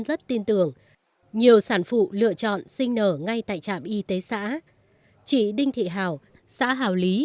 rất tin tưởng nhiều sản phụ lựa chọn sinh nở ngay tại trạm y tế xã chị đinh thị hào xã hào lý